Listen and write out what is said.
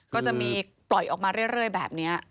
ก็จะมีปล่อยออกมาเรื่อยแบบนี้